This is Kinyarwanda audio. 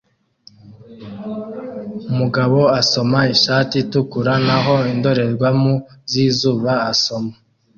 umugabo asoma ishati itukura naho indorerwamo zizuba asoma